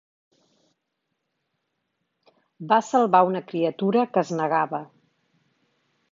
Va salvar una criatura que es negava.